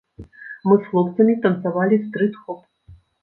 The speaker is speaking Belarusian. Мы з хлопцамі танцавалі стрыт-хоп.